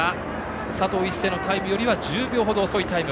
佐藤一世のタイムよりは１０秒程遅いタイム。